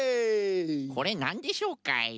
これなんでしょうかい？